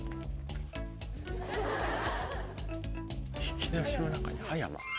「引き出しの中に葉山」？